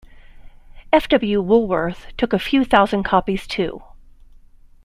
F. W. Woolworth took a few thousand copies too.